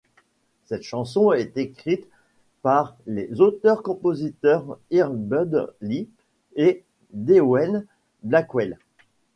La chanson est écrite par les auteurs-compositeurs Earl Bud Lee et Dewayne Blackwell.